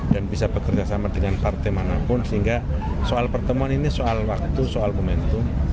dan bisa bekerja sama dengan partai manapun sehingga soal pertemuan ini soal waktu soal momentum